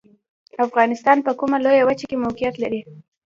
افغانستان په کومه لویه وچې کې موقعیت لري؟